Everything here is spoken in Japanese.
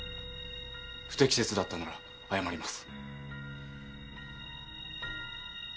不適切だったなら謝ります。